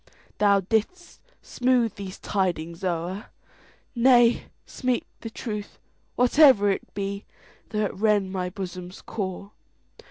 Thou 'dst smooth these tidings o'er,—Nay, speak the truth, whatever it be, Though it rend my bosom's core.